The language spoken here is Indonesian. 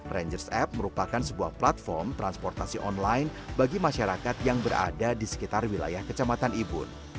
rangers app merupakan sebuah platform transportasi online bagi masyarakat yang berada di sekitar wilayah kecamatan ibun